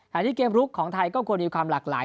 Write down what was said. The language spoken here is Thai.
ที่เกมลุกของไทยก็ควรมีความหลากหลาย